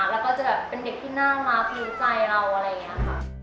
แล้วก็จะแบบเป็นเด็กที่น่ารักรู้ใจเราอะไรอย่างนี้ค่ะ